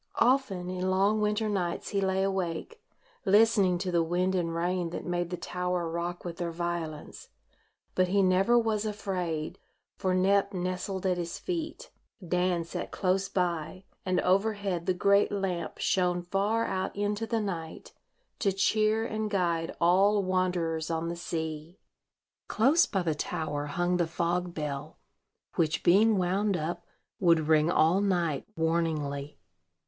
Often in long winter nights he lay awake, listening to the wind and rain, that made the tower rock with their violence; but he never was afraid, for Nep nestled at his feet, Dan sat close by, and overhead the great lamp shone far out into the night, to cheer and guide all wanderers on the sea. Close by the tower hung the fog bell, which, being wound up, would ring all night, warningly.